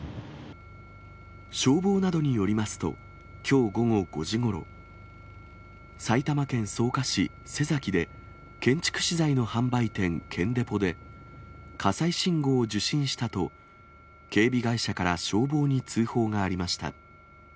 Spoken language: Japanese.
消防などによりますと、きょう午後５時ごろ、埼玉県草加市瀬崎で、建築資材の販売店、建デポで火災信号を受信したと、警備会社から消防に通報がありました。